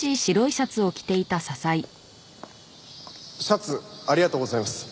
シャツありがとうございます。